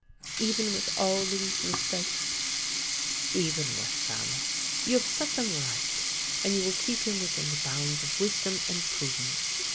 " Even with all Louis' mistakes? "" Even with them. You have set them right, and you will keep him within the bounds of wis dom and prudence.